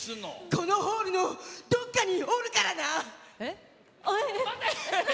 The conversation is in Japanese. このホールのどこかにおるからな！